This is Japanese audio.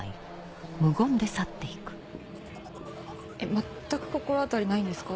全く心当たりないんですか？